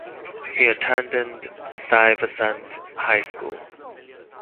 He attended Stuyvesant High School.